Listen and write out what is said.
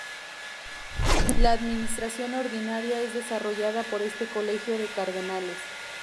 La administración ordinaria es desarrollada por este colegio de cardenales.